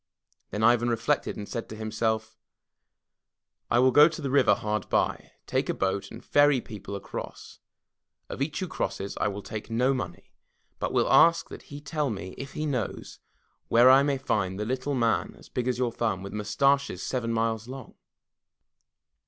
Then Ivan reflected and said to himself: I will go to the river hard by, take a boat and ferry people across. Of each who crosses I will take no money, but will ask that he tell me, if he knows, where I may find the Little Man 33 MY BOOK HOUSE As Big As Your Thumb With Mustaches Seven Miles Long!